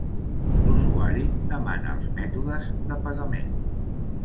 L'usuari demana els mètodes de pagament.